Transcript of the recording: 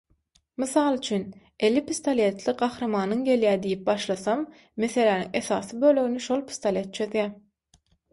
Mysal üçin, eli pistoletli gahrymanyň gelýär diýip başlasam, meseläniň esasy bölegini şol pistolet çözýär.